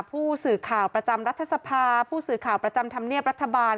ผู้สื่อข่าวประจำรัฐสภาผู้สื่อข่าวประจำธรรมเนียบรัฐบาล